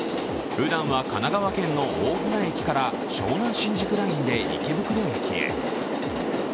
ふだんは神奈川県の大船駅から湘南新宿ラインで池袋駅へ。